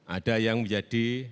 ada yang jadi